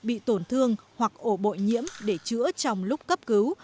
bị tổn thương hoặc ổ bội nhiễm để chữa trong lúc cấp cứu